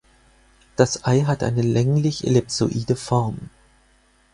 Das Ei hat eine länglich-ellipsoide Form.